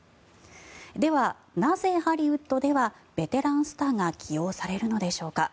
では、なぜハリウッドではベテランスターが起用されるのでしょうか。